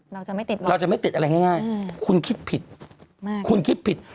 เราจะไม่ติดแปลงเราจะไม่ติดแปลงง่ายคุณคิดผิด